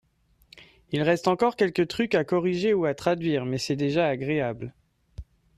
il reste encore quelques trucs à corriger ou à traduire mais c'est déjà agréable.